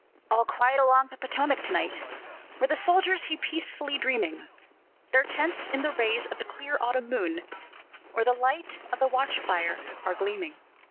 All quiet along the Potomac to night, Where the soldiers lie peacefully dreaming; Their tents in the rays of the clear autumn moon, Or the light of the watch fire, are gleaming.